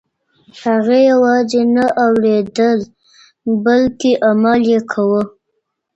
هغې یوازې نه اورېدل بلکه عمل یې کاوه.